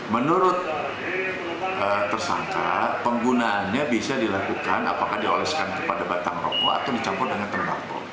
menurut tersangka penggunaannya bisa dilakukan apakah dioleskan kepada batang rokok atau dicampur dengan terdakwa